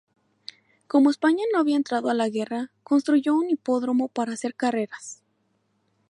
Como España no había entrado a la guerra, construyó un hipódromo para hacer carreras.